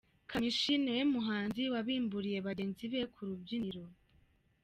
Kamichi niwe muhanzi wabimburiye bagenzi be ku rubyiniro.